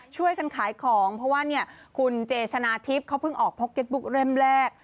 ช่วยกันขายของเพราะว่าเนี่ยคุณเจชนะทิพย์เขาเพิ่งออกพกเก็ตบุ๊กเล่มแรก